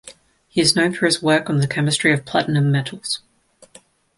He is known for his work on the chemistry of platinum metals.